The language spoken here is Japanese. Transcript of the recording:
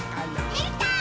できたー！